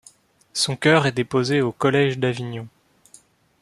Son cœur est déposé au collège d'Avignon.